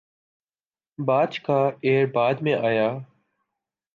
باچ کا ایئر بعد میں آیا